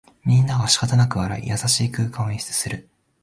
みんながしかたなく笑い、優しい空間を演出する